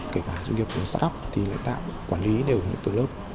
kể cả doanh nghiệp của start up lãnh đạo quản lý đều từ lớp